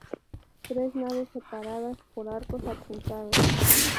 Tres naves separadas por arcos apuntados.